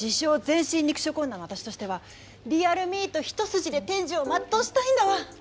「全身肉食女」の私としてはリアルミート一筋で天寿を全うしたいんだわ。